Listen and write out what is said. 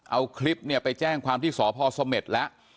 เอาคลิปเนี่ยไปแจ้งความที่สพสเม็ดแล้ว